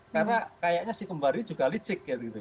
karena kayaknya si kembari juga licik